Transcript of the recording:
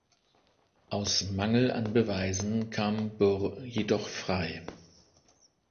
Aus Mangel an Beweisen kam Burr jedoch frei.